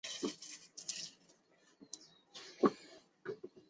藤原内麻吕是奈良时代至平安时代初期的公卿。